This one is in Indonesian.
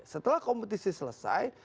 setelah kompetisi selesai